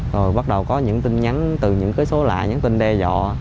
rồi bắt đầu có những tin nhắn từ những số lạ những tin đe dọ